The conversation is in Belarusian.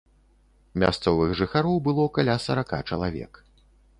Мясцовых жыхароў было каля сарака чалавек.